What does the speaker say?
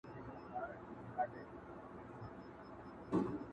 د هجران تبي نیولی ستا له غمه مړ به سمه،